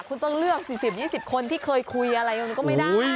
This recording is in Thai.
คุณต้องเลือก๔๐๒๐คนที่เคยคุยอะไรมันก็ไม่ได้